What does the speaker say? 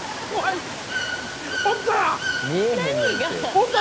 おった。